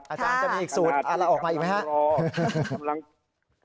อาจารย์จะมีอีกศูนย์เอาละออกมาอีกไหมครับ